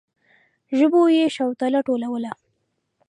ژبو يې شوتله ټولوله.